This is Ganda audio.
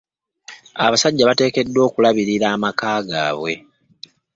Abasajja bateekeddwa okulabirira amaka gaabwe.